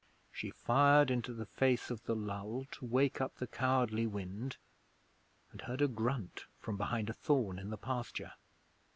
She fired into the face of the lull, to wake up the cowardly wind, and heard a grunt from behind a thorn in the pasture.